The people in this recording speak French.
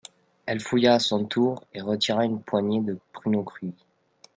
Elle fouilla à son tour et retira une poignée de pruneaux cuits.